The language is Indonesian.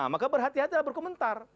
maka berhati hati berkomentar